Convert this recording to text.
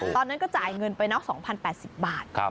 ตอนนั้นก็จ่ายเงินไปเนาะ๒๐๘๐บาท